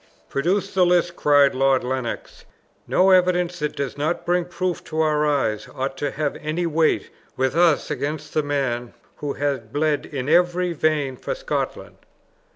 "Produce the list," cried Lord Lennox. "No evidence that does not bring proof to our eyes ought to have any weight with us against the man who had bled in every vein for Scotland."